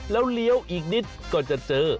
แล้วเลี้ยวอีกนิดก็จะเจอ